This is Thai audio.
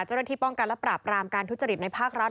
เจ้าหน้าที่ป้องกันและปราบรามการทุจริตในภาครัฐ